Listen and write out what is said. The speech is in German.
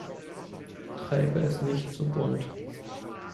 Treibe es nicht zu bunt.